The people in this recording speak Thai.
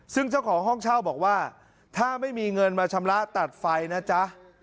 ซึ่งเจ้าของห้องเช่าบอกว่าถ้าไม่มีเงินมาชำระตัดไฟนะจ๊ะ